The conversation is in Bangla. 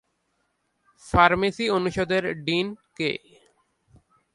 ফার্মেসি অনুষদের ডিন কে?